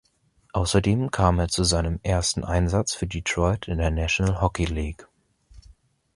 Außerdem kam er zu seinem ersten Einsatz für Detroit in der National Hockey League.